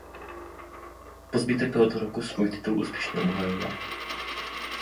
Po zbytek tohoto roku svůj titul úspěšně obhajoval.